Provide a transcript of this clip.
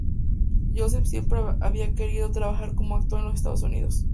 Joseph siempre había querido trabajar como actor en los Estados Unidos.